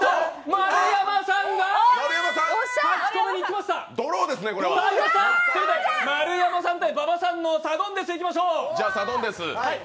丸山さん対馬場さんでサドンデスいきましょう。